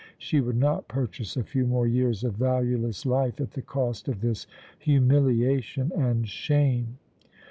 She would not purchase a few more years of valueless life at the cost of this humiliation and shame.